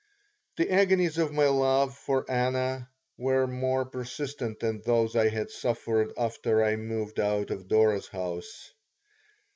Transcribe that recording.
The agonies of my love for Anna were more persistent than those I had suffered after I moved out of Dora's house.